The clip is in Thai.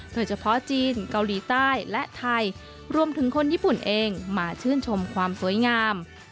โดยเฉพาะจีนเกาหลีใต้และไทยรวมถึงคนญี่ปุ่นเองมาชื่นชมความสวยงาม